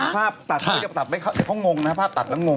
ภาพตัดได้ยังไม่เขางงนะครับ